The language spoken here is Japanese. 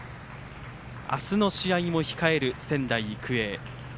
明日の試合も控える仙台育英。